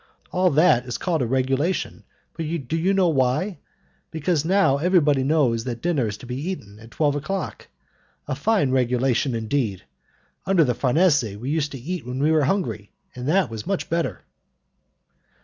All that is called a regulation but do you know why? Because now everybody knows that dinner is to be eaten at twelve o'clock. A fine regulation, indeed! Under the Farnese we used to eat when we were hungry, and that was much better."